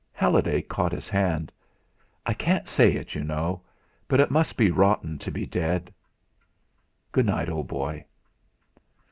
Halliday caught his hand. "I can't say it, you know; but it must be rotten to be dead. Good night, old boy!"